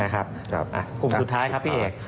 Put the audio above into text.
กลุ่มสุดท้ายครับพี่เอก